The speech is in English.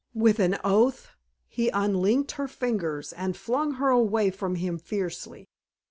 With an oath he unlinked her fingers and flung her away from him fiercely.